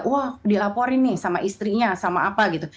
wah dilaporin nih sama istrinya sama apa gitu